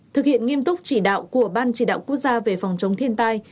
thực hiện nghiêm túc chỉ đạo của ban chỉ đạo quốc gia về phòng chống thiên tai